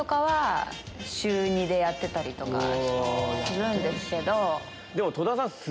するんですけど。